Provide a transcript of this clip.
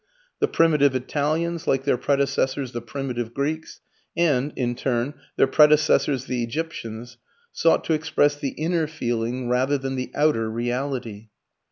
The Primitive Italians, like their predecessors the Primitive Greeks, and, in turn, their predecessors the Egyptians, sought to express the inner feeling rather than the outer reality.